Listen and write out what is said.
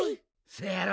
せやろ？